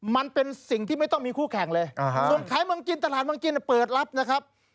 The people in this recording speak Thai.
มันเป็นสิ่งที่ไม่ต้องมีคู่แข่งเลยส่วนขายเมืองจีนตลาดเมืองจีนเปิดรับนะครับ